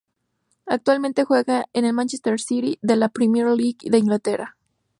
Actualmente juega en el ￼￼Manchester City de la Premier League de Inglaterra.